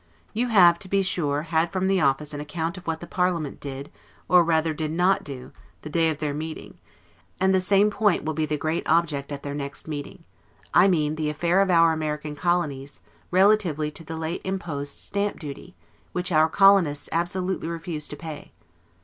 You have, to be sure, had from the office an account of what the parliament did, or rather did not do, the day of their meeting; and the same point will be the great object at their next meeting; I mean the affair of our American Colonies, relatively to the late imposed Stamp duty, which our Colonists absolutely refuse to pay.